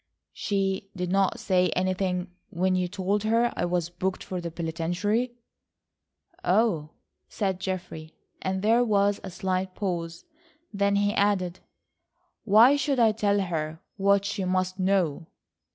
"She did not say anything when you told her I was booked for the penitentiary?" "Oh," said Geoffrey, and there was a slight pause. Then he added: "Why should I tell her what she must know."